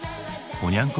おニャン子